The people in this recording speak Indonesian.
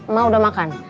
ma udah makan